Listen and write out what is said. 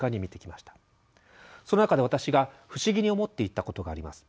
その中で私が不思議に思っていたことがあります。